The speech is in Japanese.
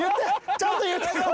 ちゃんと言って！